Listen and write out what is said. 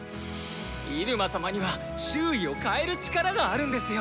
入間様には周囲を変える力があるんですよ！